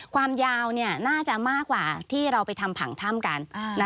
ความยาวน่าจะมากกว่าที่เราไปทำผังถ้ำกัน